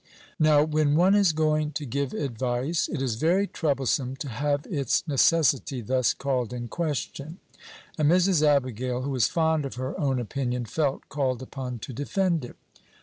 Now, when one is going to give advice, it is very troublesome to have its necessity thus called in question; and Mrs. Abigail, who was fond of her own opinion, felt called upon to defend it.